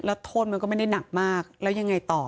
แล้วโทษมันก็ไม่ได้หนักมากแล้วยังไงต่อ